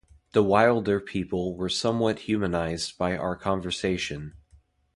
The wilder people were somewhat humanized by our conversation.